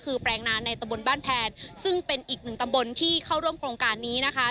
คือแปลงนานในตำบลบ้านแพนซึ่งเป็นอีกหนึ่งตำบลที่เข้าร่วมโครงการนี้นะคะ